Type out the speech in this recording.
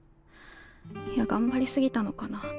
いや頑張り過ぎたのかな。